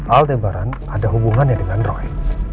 aldebaran ada hubungannya dengan roy